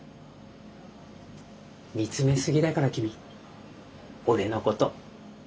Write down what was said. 見つめ過ぎだから君俺のこと。